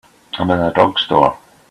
I'm in a drugstore.